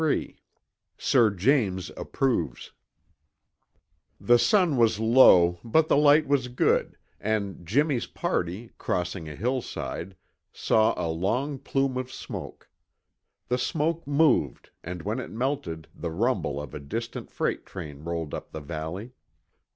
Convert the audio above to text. XXXIII SIR JAMES APPROVES The sun was low but the light was good, and Jimmy's party, crossing a hillside, saw a long plume of smoke. The smoke moved and when it melted the rumble of a distant freight train rolled up the valley.